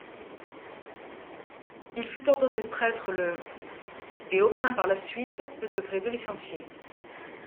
Il fut ordonné prêtre le et obtint par la suite le degré de licencié.